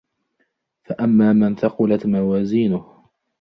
فأما من ثقلت موازينه